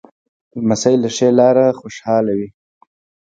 لمسی له ښې لاره خوشحاله وي.